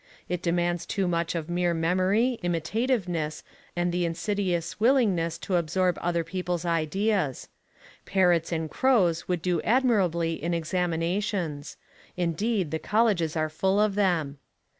It demands too much of mere memory, imitativeness, and the insidious willingness to absorb other people's ideas. Parrots and crows would do admirably in examinations. Indeed, the colleges are full of them.